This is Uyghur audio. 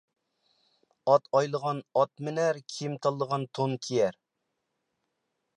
ئات ئايلىغان ئات مىنەر، كىيىم تاللىغان تون كىيەر.